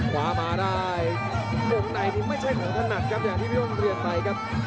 กว้ามาได้มุมใดที่ไม่ใช่ของถนัดครับอย่างที่พี่บ้านเรียกใดครับ